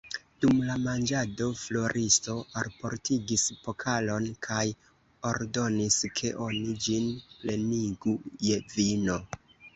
Dum la manĝado Floriso alportigis pokalon kaj ordonis, ke oni ĝin plenigu je vino.